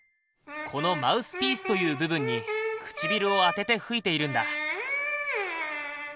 このマウスピースという部分に唇を当てて吹いているんだ。